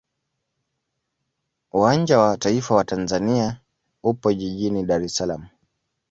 Uwanja wa taifa wa Tanzania upo jijini Dar es Salaam.